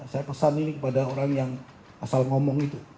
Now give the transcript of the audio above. saya pesan ini kepada orang yang asal ngomong itu